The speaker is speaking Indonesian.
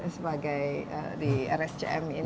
sebagai di rscm ini